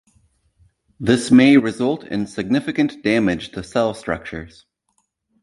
This may result in significant damage to cell structures.